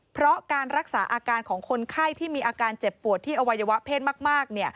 เพราะการรักษาอาการของคนไข้ที่มีอาการเจ็บปวดที่อวัยวะเพศมาก